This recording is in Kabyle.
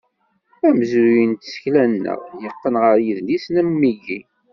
Amezruy n tsekla-nneɣ, yeqqen ɣer yidlisen am wigi.